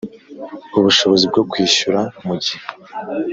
ubushobozi bwo kwishyura mu gihe